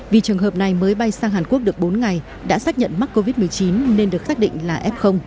vì trường hợp này mới bay sang hàn quốc được bốn ngày đã xác nhận mắc covid một mươi chín nên được xác định là f